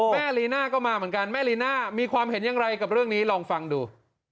ลีน่าก็มาเหมือนกันแม่ลีน่ามีความเห็นอย่างไรกับเรื่องนี้ลองฟังดู